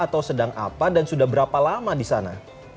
atau sedang apa dan sudah berapa lama di sana